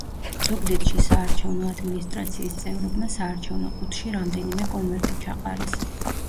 ზუგდიდში საარჩევნო ადმინისტრაციის წევრებმა საარჩევნო ყუთში რამდენიმე კონვერტი ჩაყარეს.